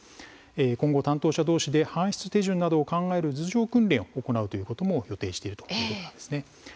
今後、担当者同士で搬出手順などを考える図上訓練を行うことなども予定しているということです。